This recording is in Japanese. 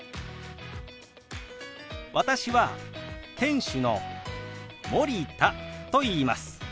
私は店主の森田といいます。